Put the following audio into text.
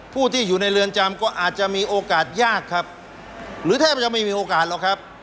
ผู้ที่อยู่ในเรือนจำก็อาจจะมีโอกาสยากครับหรือแทบจะไม่มีโอกาสหรอกครับ